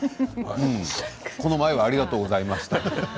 この前はありがとうございましたって。